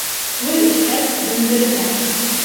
Туй үткәс, дөмбөрөнә.